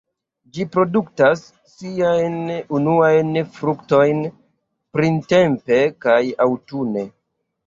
Ĝi produktas siajn unuajn fruktojn printempe kaj aŭtune.